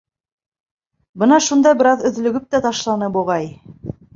Бына шунда бер аҙ өҙлөгөп тә ташланы буғай...